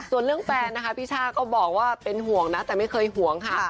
ส่วนเรื่องแฟนนะคะพี่ช่าก็บอกว่าเป็นห่วงนะแต่ไม่เคยห่วงค่ะ